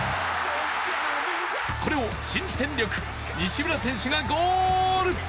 これを新戦力、西村選手がゴール。